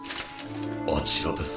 あちらです。